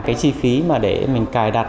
cái chi phí mà để mình cài đặt